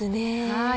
はい。